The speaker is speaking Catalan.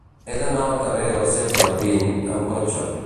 He d'anar al carrer del Segle XX amb cotxe.